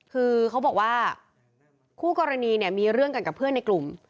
คือเขาบอกว่าคู่กรณีเนี่ยมีเรื่องกันกับเพื่อนในกลุ่ม